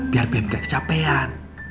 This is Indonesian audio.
biar beb nggak kecapean